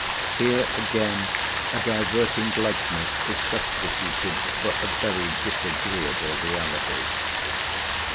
Here again a diverting likeness is substituted for a very disagreeable reality.